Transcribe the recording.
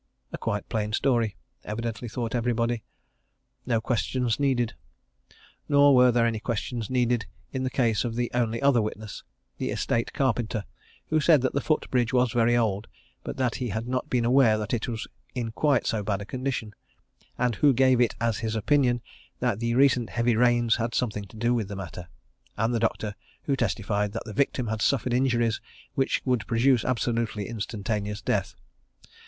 A quite plain story, evidently thought everybody no questions needed. Nor were there any questions needed in the case of the only other witnesses the estate carpenter who said that the foot bridge was very old, but that he had not been aware that it was in quite so bad a condition, and who gave it as his opinion that the recent heavy rains had had something to do with the matter; and the doctor who testified that the victim had suffered injuries which would produce absolutely instantaneous death.